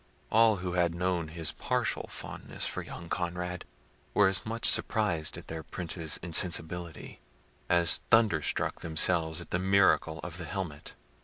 All who had known his partial fondness for young Conrad, were as much surprised at their Prince's insensibility, as thunderstruck themselves at the miracle of the helmet.